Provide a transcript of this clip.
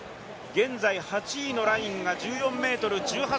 現在８位のラインが１４ｍ１８ｃｍ。